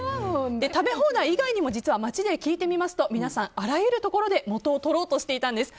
食べ放題以外にも実は街で聞いてみますと皆さん、あらゆるところで元を取ろうとしていたんです。